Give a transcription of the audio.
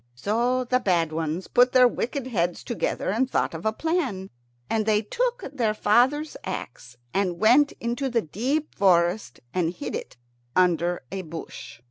So the bad ones put their wicked heads together and thought of a plan. And they took their father's axe, and went into the deep forest and hid it under a bush.